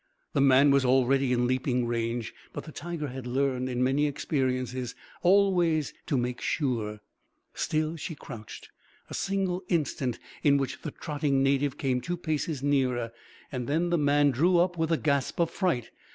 The man was already in leaping range; but the tiger had learned, in many experiences, always to make sure. Still she crouched a single instant in which the trotting native came two paces nearer. Then the man drew up with a gasp of fright.